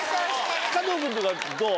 加藤君とかどう？